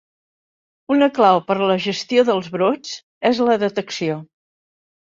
Una clau per a la gestió dels brots és la detecció.